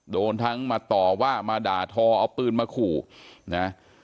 โดนทั้งมาต่อว่ามาด่าทอเอาปืนมาขู่นะ